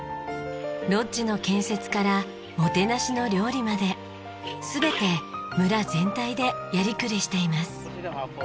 ロッジの建設からもてなしの料理まで全て村全体でやりくりしています。